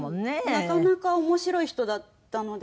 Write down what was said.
なかなか面白い人だったので。